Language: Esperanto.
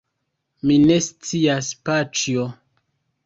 Mi ne scias, paĉjo.